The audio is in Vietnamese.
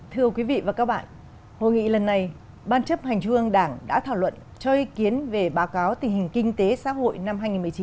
thưa quý vị và các bạn hội nghị lần này ban chấp hành trung ương đảng đã thảo luận cho ý kiến về báo cáo tình hình kinh tế xã hội năm hai nghìn một mươi chín